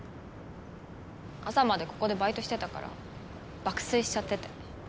朝までここでバイトしてたから爆睡しちゃってて。